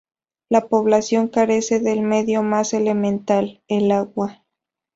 La población carece del medio más elemental, el agua.